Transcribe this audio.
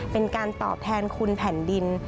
เป็นการตอบแทนคุณแผ่นดิน